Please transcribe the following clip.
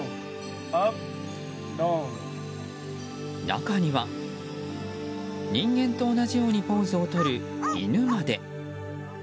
中には、人間と同じようにポーズをとる犬まで。